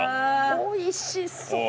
おいしそう。